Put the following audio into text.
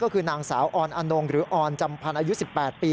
ก็คือนางสาวออนอนงหรือออนจำพันธ์อายุ๑๘ปี